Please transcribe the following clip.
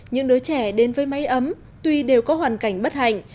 những đứa trẻ đến với máy ấm tuy đều có hoàn cảnh bất hạnh